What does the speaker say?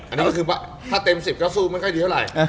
อันนี้ก็คือถ้าเต็ม๑๐ก็สู้ไม่ค่อยดีเท่าไหร่